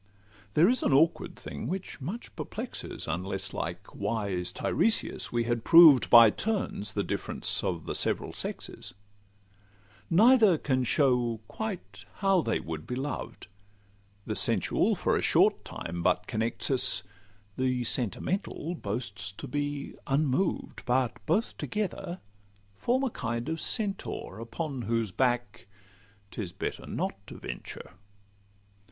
There is an awkward thing which much perplexes, Unless like wise Tiresias we had proved By turns the difference of the several sexes; Neither can show quite how they would be loved. The sensual for a short time but connects us, The sentimental boasts to be unmoved; But both together form a kind of centaur, Upon whose back 'tis better not to venture.